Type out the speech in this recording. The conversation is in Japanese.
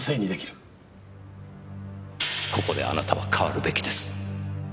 ここであなたは変わるべきです。